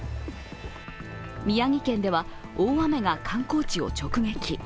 宮城県では大雨が観光地を直撃。